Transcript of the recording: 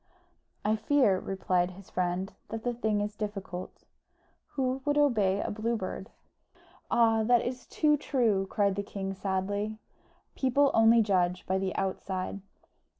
"I fear," replied his friend, "that the thing is difficult. Who would obey a Blue Bird?" "Ah, that is too true!" cried the king, sadly, "People only judge by the outside."